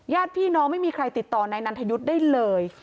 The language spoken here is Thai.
ญาติพี่น้องไม่มีใครติดต่อนายนันทยุทธ์ได้เลย